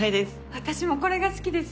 私もこれが好きです。